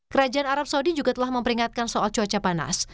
kerajaan arab saudi juga telah memperingatkan soal cuaca panas